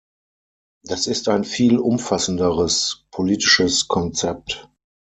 Das ist ein viel umfassenderes politisches Konzept.